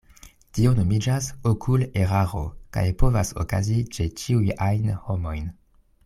Tio nomiĝas okuleraro, kaj povas okazi ĉe ĉiuj ajn homoj.